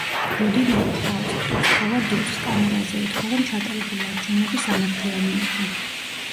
გრუდინინმა, თავის მხრივ, სთხოვა დუდს, კამერაზე ეთქვა, რომ ჩატარებული არჩევნები სამართლიანი იყო.